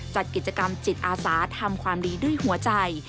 จัดกิจกรรมจิตอาสาทำความดีด้วยหัวใจ